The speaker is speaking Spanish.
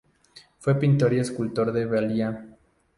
Fue pintor y escultor de valía.